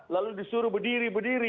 lalu disuruh berdiri berdiri